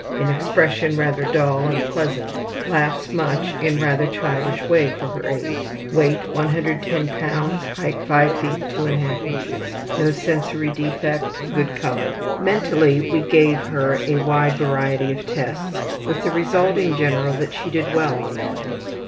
In expression rather dull and pleasant; laughs much in rather childish way for her age. Weight, 110 lbs.; height, 5 ft. 2 1/2 in. No sensory defect. Good color. Mentally we gave her a wide variety of tests with the result, in general, that she did well on them.